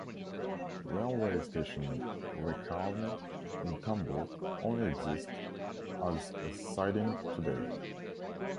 The railway station "Rekarne" in Tumbo only exists as a siding today.